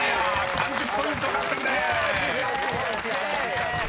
３０ポイント獲得です］ＯＫ！